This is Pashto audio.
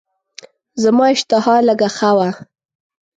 زما اشتها لږه ښه وه.